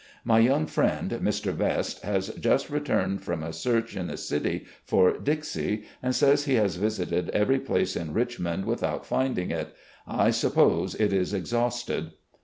... My young friend Mr. Vest has just returned from a search in the city for ' Dixie,' and says he has visited every place in Richmond without finding it. I supfxjse it is exhausted.